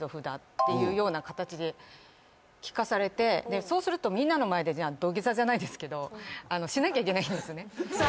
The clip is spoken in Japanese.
札！」っていうような形で聞かされてでそうするとみんなの前でじゃあ土下座じゃないですけどあのしなきゃいけないんですね